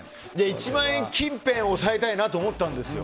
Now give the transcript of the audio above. １万円近辺を押さえたいなと思ったんですよ。